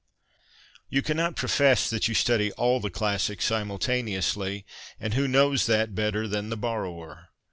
You cannot profess that you study all the classics simultaneously ; and who knows that better than the borrower